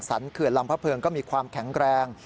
เขื่อนลำพระเพิงก็มีความแข็งแรง